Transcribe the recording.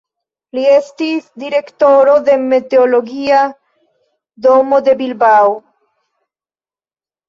Li estis direktoro de meteologia domo de Bilbao.